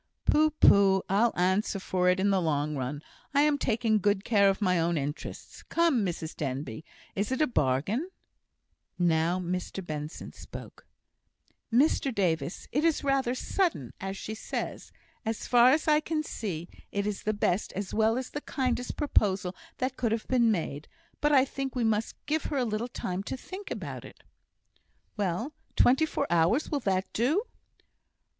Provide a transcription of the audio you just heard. "Pooh! pooh! I'll answer for it, in the long run, I am taking good care of my own interests. Come, Mrs Denbigh, is it a bargain?" Now Mr Benson spoke. "Mr Davis, it is rather sudden, as she says. As far as I can see, it is the best as well as the kindest proposal that could have been made; but I think we must give her a little time to think about it." "Well, twenty four hours! Will that do?"